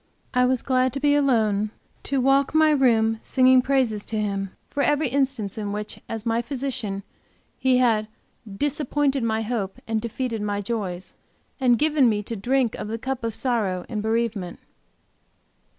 I was glad to be alone, to walk my room singing praises to Him for every instance in which, as my Physician, He had "disappointed my hope and defeated my joys" and given me to drink of the cup of sorrow and bereavement.